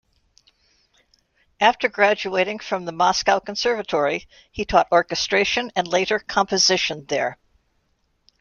After graduating from the Moscow Conservatory, he taught orchestration and later composition there.